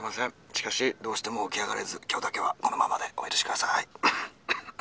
しかしどうしても起き上がれず今日だけはこのままでお許し下さい」。